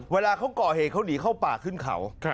เวลาเขาก่อเหตุเขาหนีเข้าป่าขึ้นเขา